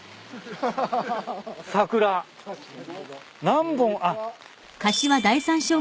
何本あっ。